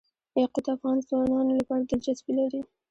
یاقوت د افغان ځوانانو لپاره دلچسپي لري.